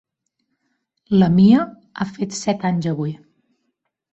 La Mia ha fet set anys avui.